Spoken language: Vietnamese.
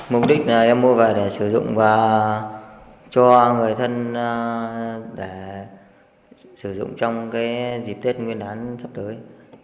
mục đích là em mua về để sử dụng và cho người thân để sử dụng trong dịp tết nguyên đán sắp tới